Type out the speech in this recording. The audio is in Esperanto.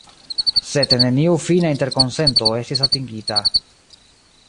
Sed neniu fina interkonsento estis atingita.